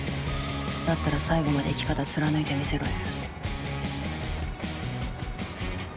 だったら最後まで生き方貫いてみせろや。